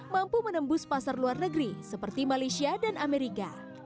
mampu menembus pasar luar negeri seperti malaysia dan amerika